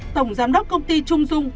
tổng giám đốc công ty trung dung